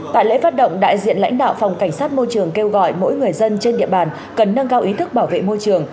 tại lễ phát động đại diện lãnh đạo phòng cảnh sát môi trường kêu gọi mỗi người dân trên địa bàn cần nâng cao ý thức bảo vệ môi trường